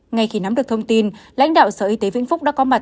ngay khi nắm được thông tin lãnh đạo sở y tế vĩnh phúc đã có mặt